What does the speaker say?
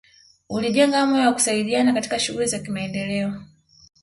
Ulijenga moyo wa kusaidiana katika shughuli za kimaendeleo